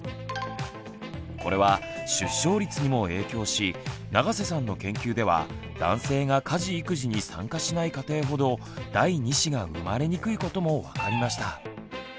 これは出生率にも影響し永瀬さんの研究では男性が家事育児に参加しない家庭ほど第２子が生まれにくいことも分かりました。